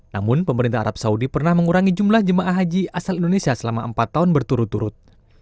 namun pemerintah arab saudi pernah mengurangi jumlah jemaah haji asal indonesia selama empat tahun berturut turut